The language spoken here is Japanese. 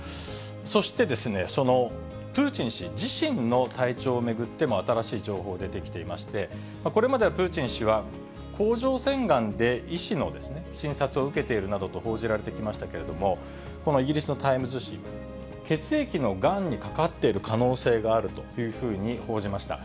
そして、プーチン氏自身の体調を巡っても新しい情報出てきていまして、これまではプーチン氏は甲状腺がんで医師の診察を受けているなどと報じられてきましたけれども、このイギリスのタイムズ紙、血液のがんにかかっている可能性があるというふうに報じました。